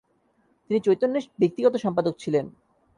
তিনি চৈতন্যের ব্যক্তিগত সম্পাদক ছিলেন।